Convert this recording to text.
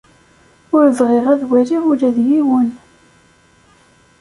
Ur bɣiɣ ad waliɣ ula d yiwen.